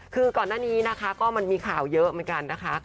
ก่อนหน้านี้มีข่าวเยอะ